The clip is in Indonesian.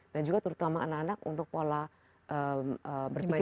dan juga terutama anak anak untuk pola berpikir kreatif